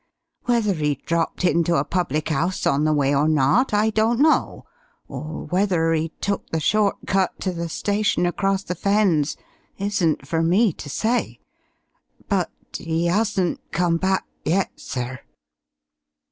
Whether he dropped into a public 'ouse on the way or not, I don't know, or whether he took the short cut to the station across the Fens isn't for me to say. But 'e 'asn't come back yet, sir!"